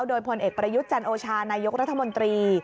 โดยพลเอกประยุทธ์จันโอชานายกรัฐมนตรี